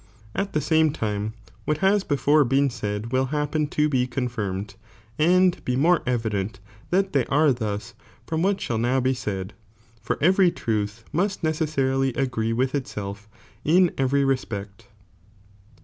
At the same time, what lias befure been said will happen to be conlii'nicd, and be more evident that they are thus ii om wiiat bIioII now be BMd, for every truth must necessarily sgree with itself in every respect.